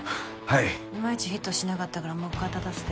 いまいちヒットしなかったからもう一回立たせて。